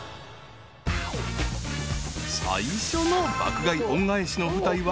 ［最初の爆買い恩返しの舞台は］